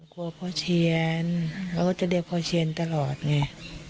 กลัวพ่อเชียนเขาก็จะเรียกพ่อเชียนตลอดไง